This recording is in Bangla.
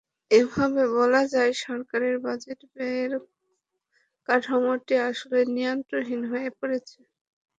এভাবে বলা যায়, সরকারের বাজেট ব্যয়ের কাঠামোটি আসলে নিয়ন্ত্রণহীন হয়ে পড়ছে।